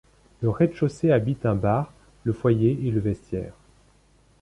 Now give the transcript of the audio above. Le rez-de-chaussée abrite un bar, le foyer et le vestiaire.